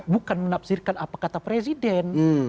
bukan menafsirkan apa kata presiden